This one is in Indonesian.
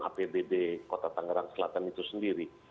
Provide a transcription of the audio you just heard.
apbd kota tangerang selatan itu sendiri